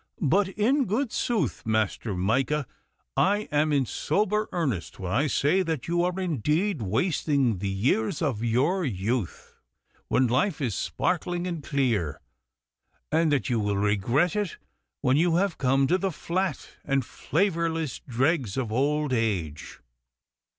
'But in good sooth, Master Micah, I am in sober earnest when I say that you are indeed wasting the years of your youth, when life is sparkling and clear, and that you will regret it when you have come to the flat and flavourless dregs of old age.